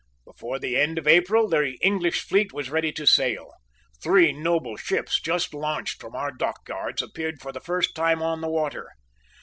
Before the end of April the English fleet was ready to sail. Three noble ships, just launched from our dockyards, appeared for the first time on the water.